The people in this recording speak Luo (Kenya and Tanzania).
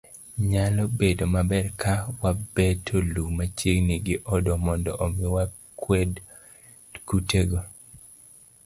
Nyalo bedo maber ka wabeto lum machiegni gi odwa mondo omi wakwed kutego.